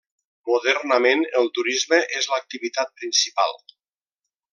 Modernament el turisme és l'activitat principal.